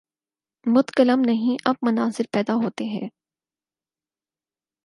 متکلم نہیں، اب مناظر پیدا ہوتے ہیں۔